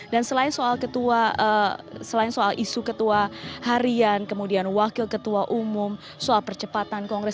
dan selain soal isu ketua harian kemudian wakil ketua umum soal percepatan kongres